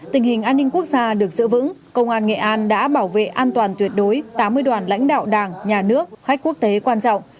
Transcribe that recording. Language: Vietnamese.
tình hình an ninh quốc gia được giữ vững công an nghệ an đã bảo vệ an toàn tuyệt đối tám mươi đoàn lãnh đạo đảng nhà nước khách quốc tế quan trọng